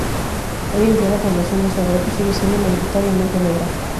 Hoy en día, la población de Soweto sigue siendo mayoritariamente negra.